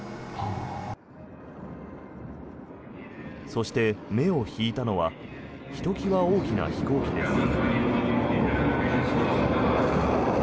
そして、目を引いたのはひときわ大きな飛行機です。